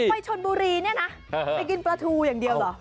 ไปชนบุรีเนี่ยนะไปกินปลาทูอย่างเดียวเหรอ